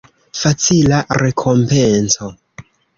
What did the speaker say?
Facila rekompenco.